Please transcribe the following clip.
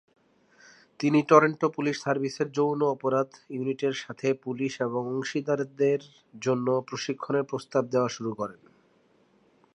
তিনি Toronto police সার্ভিসের যৌন অপরাধ ইউনিটের সাথে পুলিশ এবং অংশীদারদের জন্য প্রশিক্ষণের প্রস্তাব দেওয়া শুরু করেন।